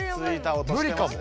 無理かも。